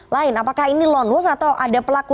lain apakah ini lone wolf atau ada pelaku